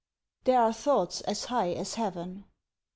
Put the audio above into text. There are thoughts as high as heaven.